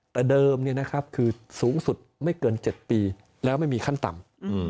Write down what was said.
แต่เดิมคือสูงสุดไม่เกิน๗ปีแล้วไม่มีขั้นต่ำ